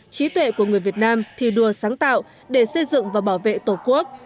trí tuệ của người việt nam thi đua sáng tạo để xây dựng và bảo vệ tổ quốc